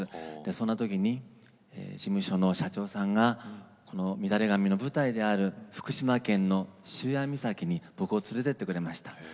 そんな時に事務所の社長さんがこの「みだれ髪」の舞台である福島県の塩屋岬に僕を連れて行ってくれました。